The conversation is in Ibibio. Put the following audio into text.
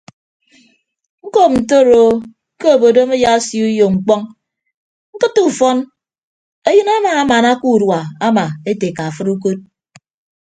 Ñkop ntoroo ke obodom ayaasio uyo mkpọñ ñkịtte ufọn eyịn amaamana ke udua ama ete eka fʌd ukod.